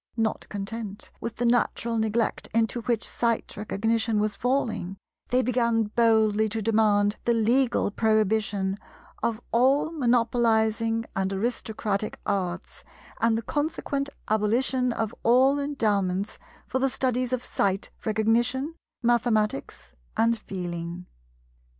Not content with the natural neglect into which Sight Recognition was falling, they began boldly to demand the legal prohibition of all "monopolizing and aristocratic Arts" and the consequent abolition of all endowments for the studies of Sight Recognition, Mathematics, and Feeling.